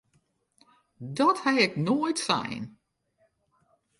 Dat ha ik noait sein!